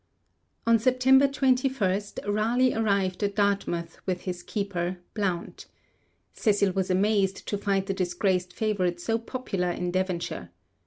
On September 21, Raleigh arrived at Dartmouth with his keeper, Blount. Cecil was amazed to find the disgraced favourite so popular in Devonshire.